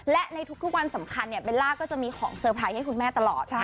และในทุกวันสำคัญเนี่ยเบลล่าก็จะมีของเซอร์ไพรส์ให้คุณแม่ตลอด